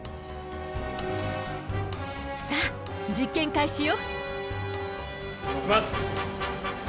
さあ実験開始よ！